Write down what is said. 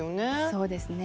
そうですね。